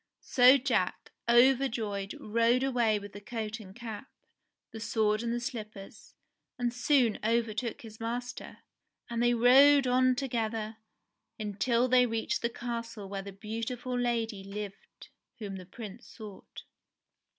So Jack, overjoyed, rode away with the coat and cap, the sword and the slippers, and soon overtook his master; and they rode on together until they reached the castle where the beautiful lady lived whom the Prince sought.